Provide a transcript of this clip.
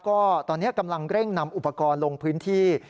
ก็ตอนนี้กำลังเร่งนำอุปกรณ์ลงพื้นที่